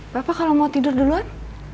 bapak kalau mau tidur duluan